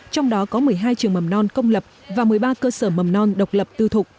trong đó có một mươi hai trường mầm non công lập và một mươi ba cơ sở mầm non độc lập tư thục